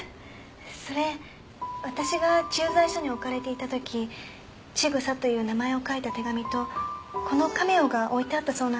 それ私が駐在所に置かれていたとき千草という名前を書いた手紙とこのカメオが置いてあったそうなんです。